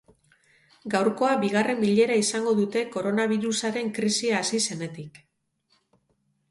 Gaurkoa bigarren bilera izango dute koronabirusaren krisia hasi zenetik.